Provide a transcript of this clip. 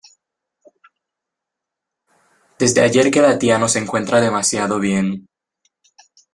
Desde ayer que la tía no se encuentra demasiado bien.